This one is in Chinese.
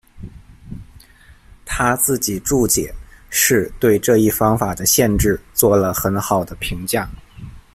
他自己注解是对这一方法的限制做了很好的评价。